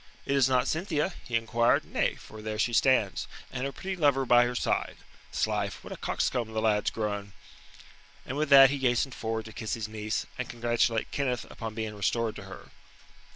"It is not Cynthia?" he inquired. "Nay, for there she stands and her pretty lover by her side. 'Slife, what a coxcomb the lad's grown." And with that he hastened forward to kiss his niece, and congratulate Kenneth upon being restored to her.